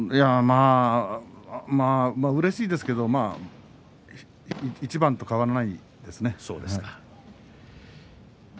うれしいですけど一番と変わらないですね。